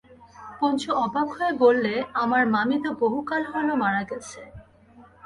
পঞ্চু অবাক হয়ে বললে, আমার মামী তো বহুকাল হল মারা গেছে।